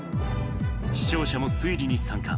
視聴者も推理に参加。